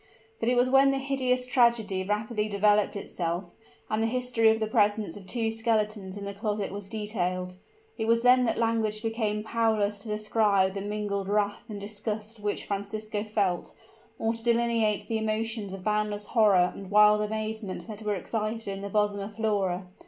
But it was when the hideous tragedy rapidly developed itself, and the history of the presence of two skeletons in the closet was detailed, it was then that language became powerless to describe the mingled wrath and disgust which Francisco felt, or to delineate the emotions of boundless horror and wild amazement that were excited in the bosom of Flora.